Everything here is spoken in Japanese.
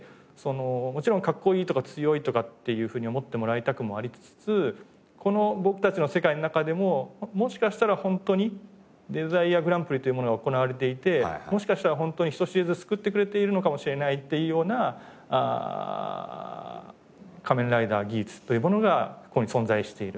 もちろんかっこいいとか強いとかっていうふうに思ってもらいたくもありつつこの僕たちの世界の中でももしかしたらホントにデザイアグランプリというものが行われていてもしかしたらホントに人知れず救ってくれているのかもしれないっていうような仮面ライダーギーツというものがここに存在している。